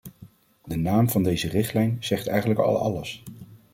De naam van deze richtlijn zegt eigenlijk al alles.